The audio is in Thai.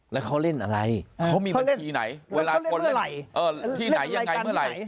แล้วเขาเล่นอะไรเขามีบัญชีไหนเมื่อไหร่เล่นเมื่อไหร่